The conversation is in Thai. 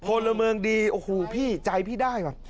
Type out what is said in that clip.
โอ้โหพี่ใจพี่ได้